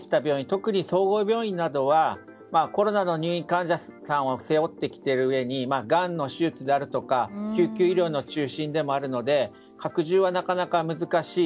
特に総合病院などはコロナの入院患者さんを背負ってきているうえにがんの手術であるとか救急医療の中心でもあるので拡充はなかなか難しい。